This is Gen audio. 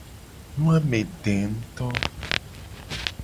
Nu a me de nguto.